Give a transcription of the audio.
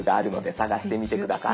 裏返してみて下さい。